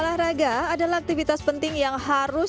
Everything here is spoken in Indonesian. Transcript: olahraga adalah aktivitas penting yang harus